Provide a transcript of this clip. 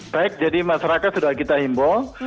baik jadi masyarakat sudah kita himbau